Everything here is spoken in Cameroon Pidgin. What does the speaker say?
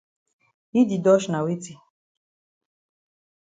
Yi di dodge na weti?